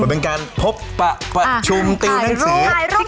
เป็นการพบประชุมตีหนังสือ